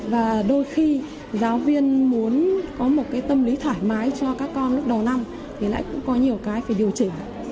và đôi khi giáo viên muốn có một cái tâm lý thoải mái cho các con lúc đầu năm thì lại cũng có nhiều cái phải điều chỉnh